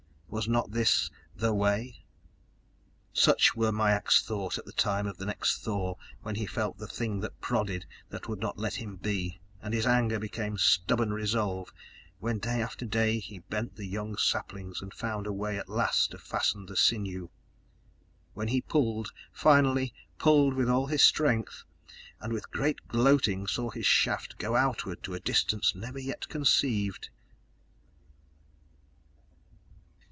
Was not this The Way?_ Such were Mai ak's thoughts at the time of the next thaw; when he felt the thing that prodded that would not let him be, and his anger became stubborn resolve; when day after day he bent the young saplings, and found a way at last to fasten the sinew. When he pulled, finally, pulled with all his strength, and with great gloating saw his shaft go outward to a distance never yet conceived....